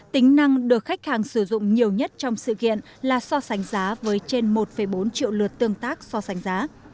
tính năng được khách hàng sử dụng nhiều nhất trong sự kiện là so sánh giá với trên một bốn triệu lượt tương tác so sánh giá